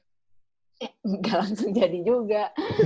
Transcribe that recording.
enggak langsung jadi juga